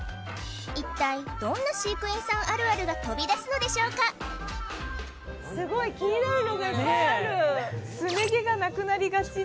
一体どんな飼育員さんあるあるが飛び出すのでしょうかすごい気になるのがいっぱいあるねえ